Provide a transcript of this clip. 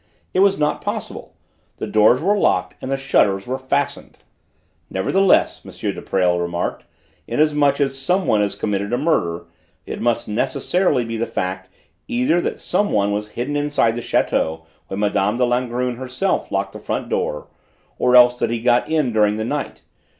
It was not possible! The doors were locked and the shutters were fastened." "Nevertheless," M. de Presles remarked, "inasmuch as someone has committed a murder, it must necessarily be the fact, either that that someone was hidden inside the château when Mme. de Langrune herself locked the front door, or else that he got in during the night.